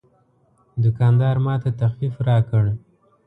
دوکاندار ماته تخفیف راکړ.